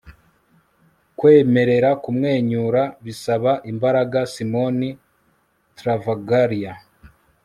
kwemerera kumwenyura bisaba imbaraga - simon travaglia